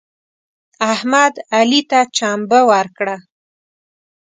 احمد علي ته چمبه ورکړه.